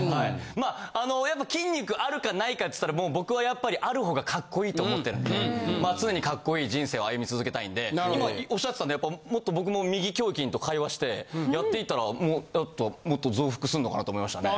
まあやっぱ筋肉あるかないかっつったら僕はやっぱりあるほうがカッコいいと思ってるんで常にカッコいい人生を歩み続けたいんで今おっしゃってたんでもっと僕も右胸筋と会話してやっていったらやっぱもっと増幅すんのかなと思いましたね。